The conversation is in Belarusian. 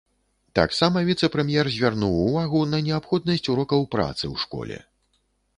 Таксама віцэ-прэм'ер звярнуў увагу на неабходнасць урокаў працы ў школе.